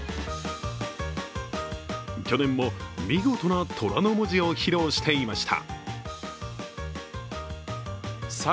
去年も見事なトラの文字を披露していました。